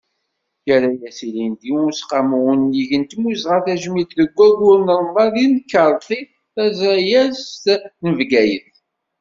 Yerra-as ilindi Useqqamu unnig n timmuzɣa tajmilt deg waggur n Remḍan di temkerḍit tazayezt n Bgayet.